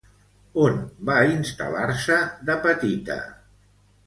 On va instal·lar-se de petita?